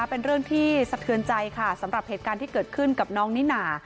เป็นเรื่องที่สะเทือนใจค่ะสำหรับเหตุการณ์ที่เกิดขึ้นกับน้องนิน่า